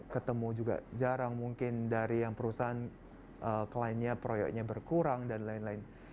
ketemu juga jarang mungkin dari yang perusahaan kliennya proyeknya berkurang dan lain lain